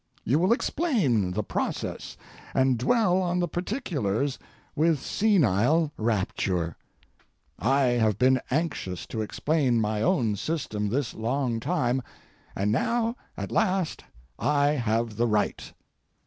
You will explain the process and dwell on the particulars with senile rapture. I have been anxious to explain my own system this long time, and now at last I have the right.